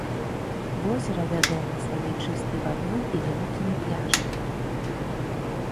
Возера вядома сваёй чыстай вадой і вялікімі пляжамі.